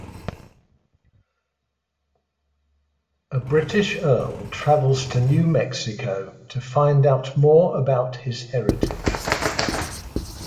A British earl travels to New Mexico to find out more about his heritage.